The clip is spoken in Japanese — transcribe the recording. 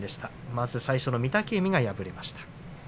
まず最初の御嶽海が敗れました。